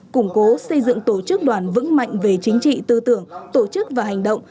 củng cố xây dựng tổ chức đoàn vững mạnh về chính trị tư tưởng tổ chức và hành động